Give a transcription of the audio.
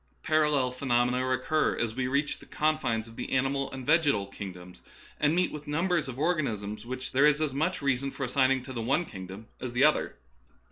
Par allel phenomena recur as we reach the confines of the animal and vegetal kingdoms, and meet with numbers of organisms which there is as much reason for assigning to the one kingdom as to the other.